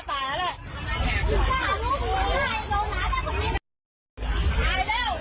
ตายแล้ว